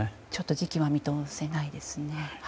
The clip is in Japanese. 時期は見通せないですね。